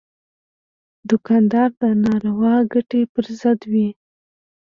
دوکاندار د ناروا ګټې پر ضد وي.